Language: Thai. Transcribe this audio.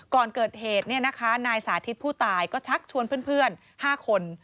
ก่อนเกิดเหตุนายสาธิตผู้ตายก็ชักชวนเพื่อน๕คน